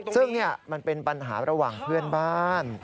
ซึ่งมันเป็นปัญหาระหว่างเพื่อนบ้าน